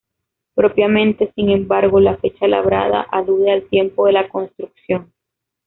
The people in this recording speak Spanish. Propiamente, sin embargo, la fecha labrada alude al tiempo de la construcción.